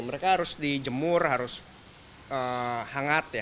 mereka harus dijemur harus hangat ya